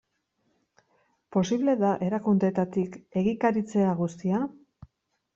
Posible da erakundeetatik egikaritzea guztia?